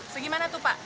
segini mana tuh pak